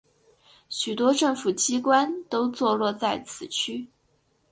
许多政府机关都座落在此区。